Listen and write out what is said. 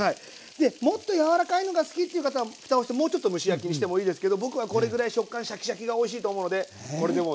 でもっと柔らかいのが好きっていう方はふたをしてもうちょっと蒸し焼きにしてもいいですけど僕はこれぐらい食感シャキシャキがおいしいと思うのでこれでもう出来上がりにしちゃいます。